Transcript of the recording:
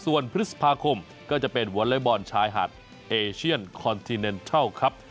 ส่วนพฤษภาคมก็จะเป็นวอเล็กบอลชายหาดเอเชียนคอนทีเนทรัลครับ